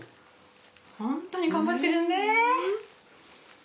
ホントに頑張ってるね！